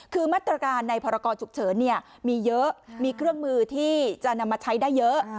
คือมาตรการในพรกรฉุกเฉินมีเยอะมีเครื่องมือที่จะนำมาใช้ได้เยอะ